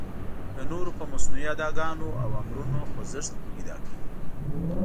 د نورو په مصنوعي اداګانو او امرونو خوځښت پیدا کوي.